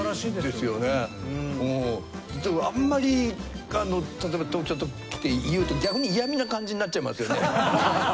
あんまり例えば東京来て言うと逆に嫌味な感じになっちゃいますよね。